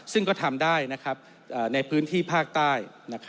ซึ่งก็ทำได้ในพื้นที่ภาคใต้